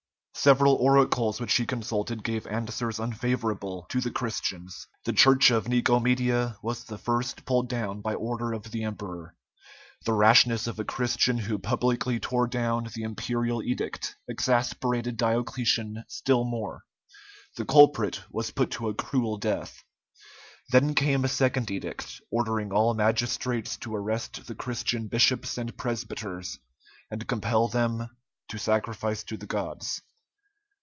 Several oracles which he consulted gave answers unfavorable to the Christians. The church of Nicomedia was the first pulled down by order of the emperor. The rashness of a Christian who publicly tore down the imperial edict exasperated Diocletian still more: the culprit was put to a cruel death. Then came a second edict, ordering all magistrates to arrest the Christian bishops and presbyters, and compel them to sacrifice to the gods.